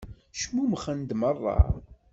Cmumxen-d meṛṛa.